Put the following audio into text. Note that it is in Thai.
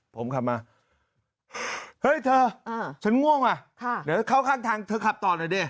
ผมขับมาเฮ้ยเธอฉันง่วงว่ะเดี๋ยวเข้าข้างทางเธอขับต่อหน่อยดิ